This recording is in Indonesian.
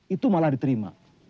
itu malah diterima